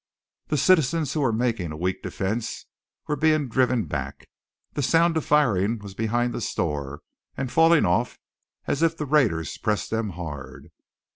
The citizens who were making a weak defense were being driven back, the sound of firing was behind the stores, and falling off as if the raiders pressed them hard.